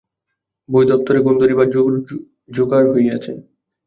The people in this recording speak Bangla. বই দপ্তরে ঘুণ ধরিবার জোগাড়গ হইয়াছে।